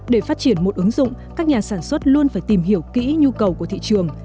để phát triển một ứng dụng các nhà sản xuất luôn phải tìm hiểu kỹ nhu cầu của thị trường